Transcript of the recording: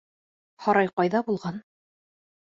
Һарай ҡайҙа булған?